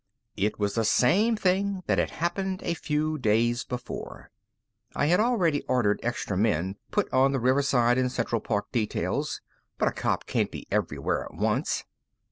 It was the same thing that had happened a few days before. I had already ordered extra men put on the Riverside and Central Park details, but a cop can't be everywhere at once.